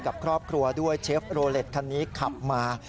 กับครอบครัวด้วยเชฟโรเล็ตคันนี้ขับมา